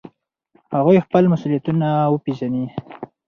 هغوی خپل مسؤلیتونه وپیژني.